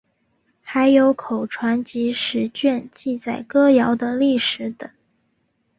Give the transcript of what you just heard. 还有口传集十卷记载歌谣的历史等。